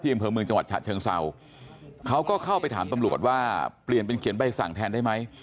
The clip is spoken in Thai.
อำเภอเมืองจังหวัดฉะเชิงเศร้าเขาก็เข้าไปถามตำรวจว่าเปลี่ยนเป็นเขียนใบสั่งแทนได้ไหม